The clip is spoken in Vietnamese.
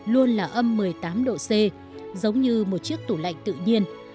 luôn là âm một mươi tám độ c giống như một chiếc tủ lạnh tự nhiên